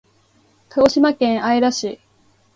鹿児島県姶良市